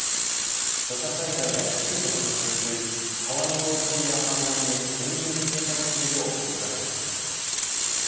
土砂災害や低い土地の浸水川の増水や氾濫に厳重に警戒するよう呼びかけています。